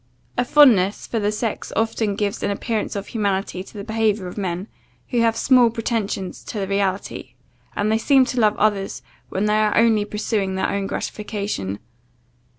A fondness for the sex often gives an appearance of humanity to the behaviour of men, who have small pretensions to the reality; and they seem to love others, when they are only pursuing their own gratification.